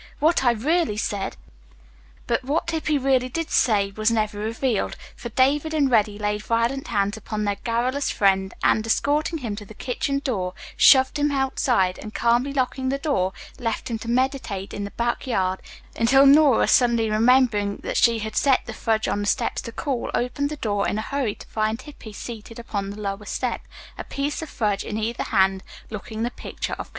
What I really said " But what Hippy really did say was never revealed, for David and Reddy laid violent hands upon their garrulous friend and, escorting him to the kitchen door, shoved him outside and calmly locking the door, left him to meditate in the back yard, until Nora suddenly remembering that she had set the fudge on the steps to cool, opened the door in a hurry to find Hippy seated upon the lower step, a piece of fudge in either hand, looking the picture of content.